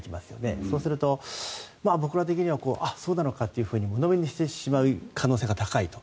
そうすると僕ら的にはそうなのかってうのみにしてしまう可能性が高いと。